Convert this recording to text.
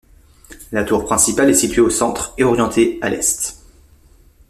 La tour principale est située au centre, et orientée à l'est.